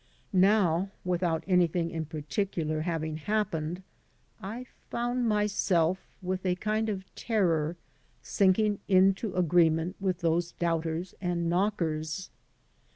Now, without anything in particular having happened, I found myself, with a kind of terror, sinking into agree ment with those doubters and knockers.